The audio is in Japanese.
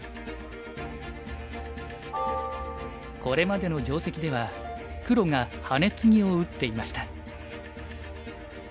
これまでの定石では黒がハネツギを打っていました。